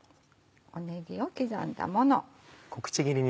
ねぎを刻んだもの。